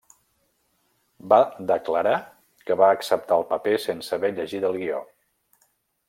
Va declarar que va acceptar el paper sense haver llegit el guió.